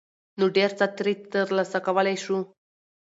، نو ډېر څه ترې ترلاسه کولى شو.